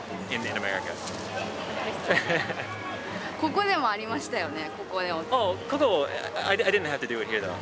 ここでもありましたよね。